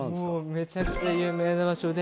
めちゃくちゃ有名な場所で。